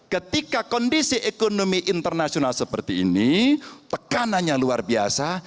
ketika kondisi ekonomi internasional seperti ini tekanannya luar biasa